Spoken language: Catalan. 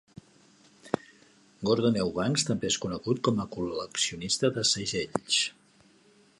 Gordon Eubanks també és conegut com a col·leccionista de segells.